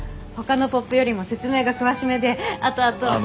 ほかのポップよりも説明が詳しめであとあと。